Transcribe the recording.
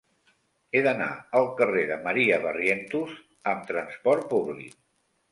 He d'anar al carrer de Maria Barrientos amb trasport públic.